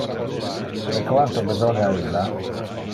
De quanto besonia illa?